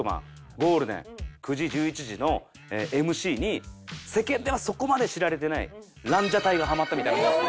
ゴールデン９時１１時のＭＣに世間ではそこまで知られてないランジャタイがハマったみたいなもんです。